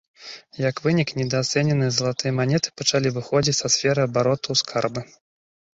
Як вынік, недаацэненыя залатыя манеты пачалі выходзіць са сферы абароту ў скарбы.